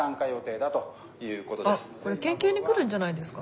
あっこれ県警に来るんじゃないですか？